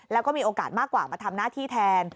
แล้วก็มีโอกาสมากกว่ามาทำหน้าที่แทน